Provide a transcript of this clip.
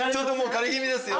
かれ気味ですよ